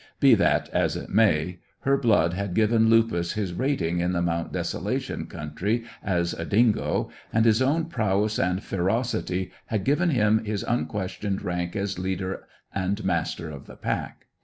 Be that as it may, her blood had given Lupus his rating in the Mount Desolation country as a dingo, and his own prowess and ferocity had given him his unquestioned rank as leader and master of the pack.